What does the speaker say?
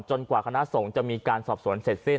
กว่าคณะสงฆ์จะมีการสอบสวนเสร็จสิ้น